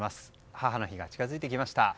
母の日が近づいてきました。